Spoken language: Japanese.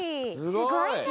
すごいね！